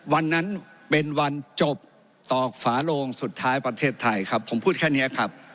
วันนั้นเป็นวันจบตอกฝาลงสุดท้ายผลิตไทย